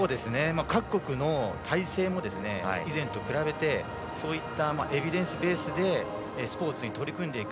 各国の体制も以前と比べてそういったエビデンスベースでスポーツに取り組んでいく。